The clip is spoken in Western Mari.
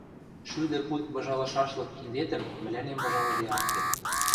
шӱдӹ пуд выжалышашлык киндетӹм мӹлӓнем выжалыде ат керд.